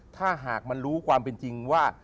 ถ้าหากมันรู้ความเป็นจริงว่า